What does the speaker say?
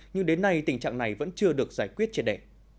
nhưng đến nay tình trạng này vẫn chưa được giải quyết trên đẻ